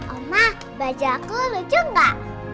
oma bajaku lucu enggak